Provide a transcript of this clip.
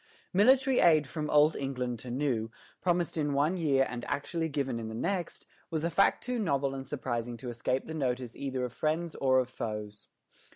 Military aid from Old England to New, promised in one year and actually given in the next, was a fact too novel and surprising to escape the notice either of friends or of foes.